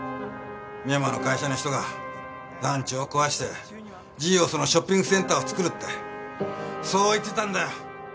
深山の会社の人が団地を壊してジーオスのショッピングセンターをつくるってそう言ってたんだよ。